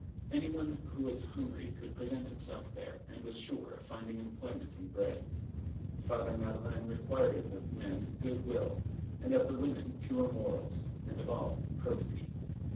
Any one who was hungry could present himself there, and was sure of finding employment and bread. Father Madeleine required of the men good will, of the women pure morals, and of all, probity.